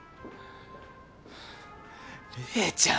麗ちゃん！